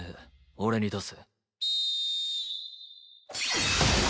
俺に出せ。